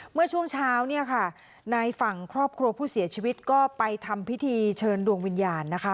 เมื่อช่วงเช้าเนี่ยค่ะในฝั่งครอบครัวผู้เสียชีวิตก็ไปทำพิธีเชิญดวงวิญญาณนะคะ